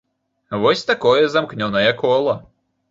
Вось такое замкнёнае кола.